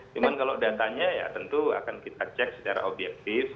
cuma kalau datanya ya tentu akan kita cek secara objektif